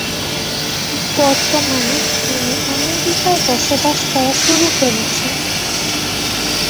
বর্তমানে তিনি আমেরিকায় বসবাস করা শুরু করেছেন।